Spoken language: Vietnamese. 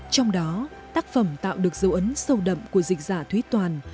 trong đó tác phẩm tạo được dấu ấn sâu đậm của dịch giả thúy toàn